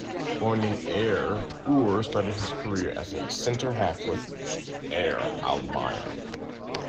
Born in Ayr, Ure started his career as a centre half with Ayr Albion.